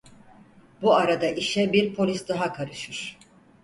Bu arada işe bir polis daha karışır.